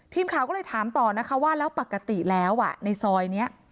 ทีมข่าวก็เลยถามต่อนะคะว่าแล้วปกติแล้วในซอยนี้